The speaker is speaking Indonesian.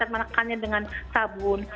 makanya dengan sabun